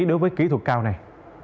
đối với kỹ thuật cao này